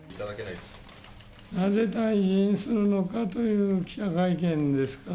なぜ退陣するのかという記者会見ですから。